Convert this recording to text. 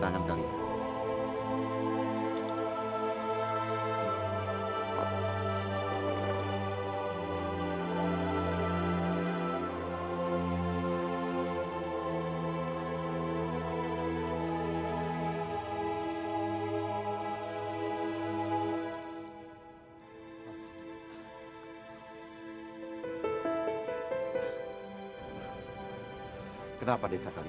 jangan ikut campur kamu